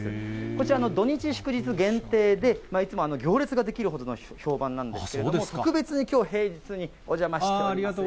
こちら、土日祝日限定で、いつも行列が出来るほどの評判なんですけれども、特別にきょう、平日にお邪魔しています。